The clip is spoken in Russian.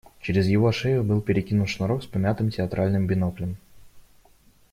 Через его шею был перекинут шнурок с помятым театральным биноклем.